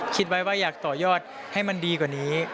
คิดไว้ว่าอยากต่อยอดให้มันดีกว่านี้